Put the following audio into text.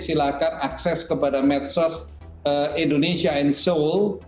silahkan akses kepada medsos indonesia in seoul